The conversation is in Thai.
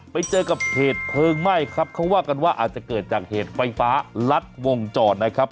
ไปเจอกับเหตุเพลิงไหม้ครับเขาว่ากันว่าอาจจะเกิดจากเหตุไฟฟ้ารัดวงจรนะครับ